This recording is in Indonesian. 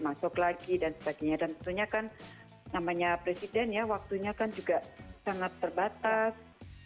masuk lagi dan sebagainya dan tentunya kan namanya presiden ya waktunya kan juga sangat terbatas